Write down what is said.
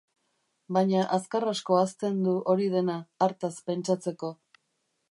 Baina azkar asko ahazten du hori dena, hartaz pentsatzeko.